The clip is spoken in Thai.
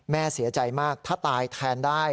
แม่เสียใจมากถ้าตายแทนได้